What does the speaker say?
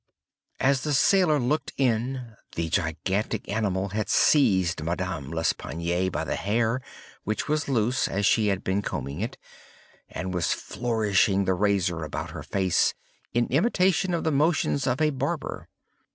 As the sailor looked in, the gigantic animal had seized Madame L'Espanaye by the hair, (which was loose, as she had been combing it,) and was flourishing the razor about her face, in imitation of the motions of a barber.